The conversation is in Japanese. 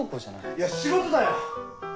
いや仕事だよ！